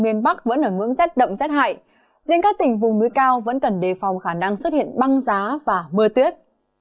miền bắc vẫn ở ngưỡng rét đậm rét hại riêng các tỉnh vùng núi cao vẫn cần đề phòng khả năng xuất hiện băng giá và mưa tuyết